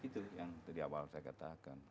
itu yang dari awal saya katakan